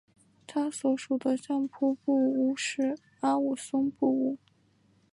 他所属的相扑部屋是阿武松部屋。